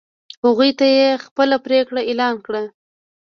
هغوی ته یې خپله پرېکړه اعلان کړه.